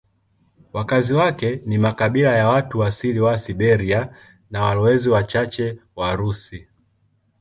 Wakazi wake ni makabila ya watu asilia wa Siberia na walowezi wachache Warusi.